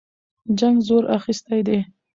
جنګ زور اخیستی دی.